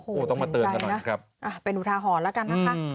โอ้โหเห็นใจนะเป็นอุทาหอนแล้วกันนะคะโอ้โหต้องมาเตือนกันหน่อยครับ